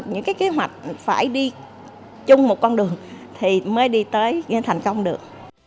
những cái kế hoạch phải đi chung một con đường thì mới đi tới thành công được